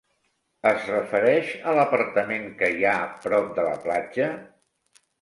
Es refereix a l'apartament que hi ha prop de la platja?